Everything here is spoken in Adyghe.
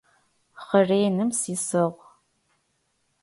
Хъэреным сисыгъ.